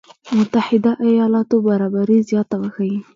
متحده ایالاتو برابري زياته وښيي.